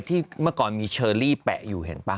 เมื่อก่อนมีเชอรี่แปะอยู่เห็นป่ะ